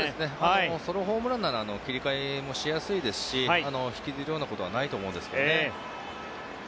ソロホームランなら切り替えもしやすいですし引きずるようなことはないと思うんですけどね。